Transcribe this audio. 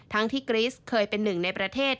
ทั้งที่กรีสเคยเป็นหนึ่งในประเทศ